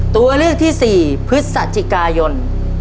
ตัวเลือดที่สี่พฤษภาคม